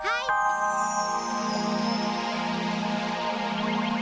jangan marah dong